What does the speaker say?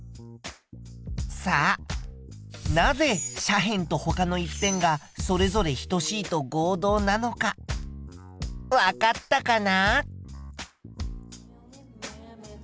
さあなぜ斜辺とほかの１辺がそれぞれ等しいと合同なのかわかったかな？